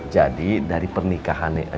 jadi dari pernikahannya